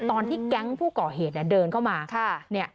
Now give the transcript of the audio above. ตอนที่แก๊งผู้ก่อเหตุเดินเข้ามา